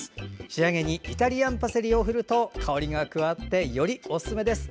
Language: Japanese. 仕上げにイタリアンパセリを振ると香りが加わってよりおすすめです。